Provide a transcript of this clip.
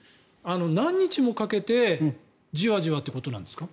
何日もかけてじわじわってことなんですか？